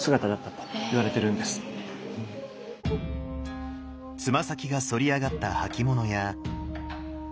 つま先が反り上がった履物や。